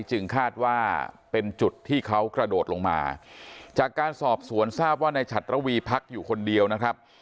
จึงคาดว่าเป็นจุดที่เขากระโดดลงมาจากการสอบสวนทราบว่าในฉัดระวีพักอยู่คนเดียวนะครับ